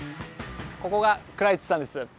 ここが久良一さんです。